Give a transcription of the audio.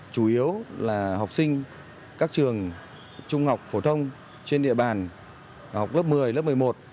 chủ yếu là học sinh các trường trung học phổ thông trên địa bàn học lớp một mươi lớp một mươi một